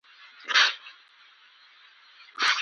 قلم د تاریخ سند لیکي